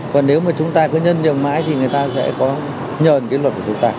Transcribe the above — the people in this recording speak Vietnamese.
còn nếu mà chúng ta cứ nhân nhượng mãi thì người ta sẽ có nhờ cái luật của chúng ta